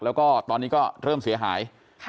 แล้วก็ตอนนี้ก็เริ่มเสียหาย